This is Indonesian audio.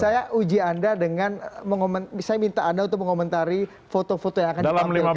saya uji anda dengan saya minta anda untuk mengomentari foto foto yang akan ditampilkan